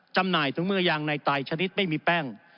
จำหน่ายถึงเมื่อยางในไตชนิดไม่มีแป้ง